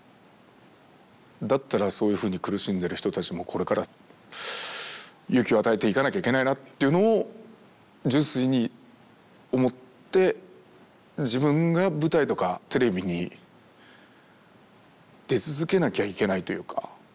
だったらそういうふうに苦しんでる人たちもこれから勇気を与えていかなきゃいけないなっていうのを純粋に思って自分が舞台とかテレビに出続けなきゃいけないというか。